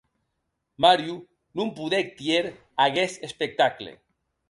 Mario non podec tier aguest espectacle.